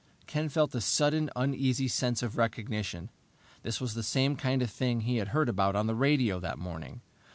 Ken felt a sudden, uneasy sense of recognition. This was the same kind of thing he had heard about on the radio that morning!